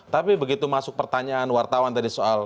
tapi begitu masuk pertanyaan wartawan tadi soal